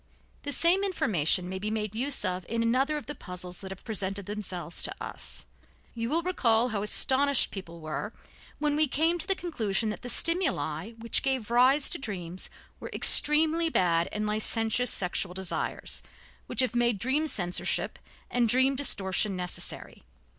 The same information may be made use of in another of the puzzles that have presented themselves to us. You will recall how astonished people were when we came to the conclusion that the stimuli which gave rise to dreams were extremely bad and licentious sexual desires which have made dream censorship and dream distortion necessary.